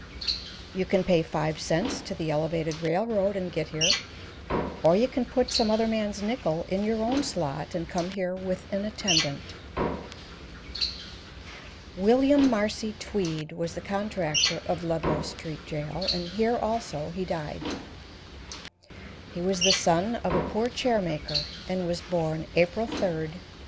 You can pay five cents to the Elevated Railroad and get here, or you can put some other man's nickel in your own slot and come here with an attendant. William Marcy Tweed was the contractor of Ludlow Street Jail, and here also he died. He was the son of a poor chair maker, and was born April 3, 1823.